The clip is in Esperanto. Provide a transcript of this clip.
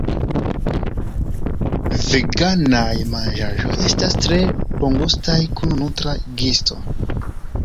Veganaj manĝaĵoj estas tre bongustaj kun nutra gisto.